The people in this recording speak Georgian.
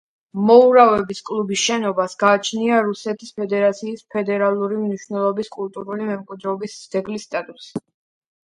მოურავების კლუბის შენობას გააჩნია რუსეთის ფედერაციის ფედერალური მნიშვნელობის კულტურული მემკვიდრეობის ძეგლის სტატუსი.